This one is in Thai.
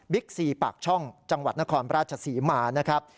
ซีปากช่องจังหวัดนครราชศรีมานะครับ